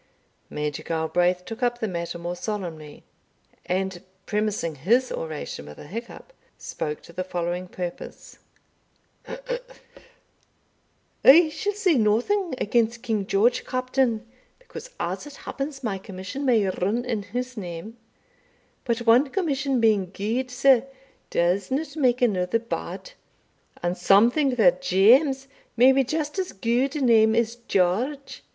Major Galbraith took up the matter more solemnly, and, premising his oration with a hiccup, spoke to the following purpose: "I shall say nothing against King George, Captain, because, as it happens, my commission may rin in his name But one commission being good, sir, does not make another bad; and some think that James may be just as good a name as George.